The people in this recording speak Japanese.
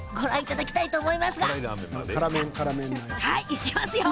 いきますよ。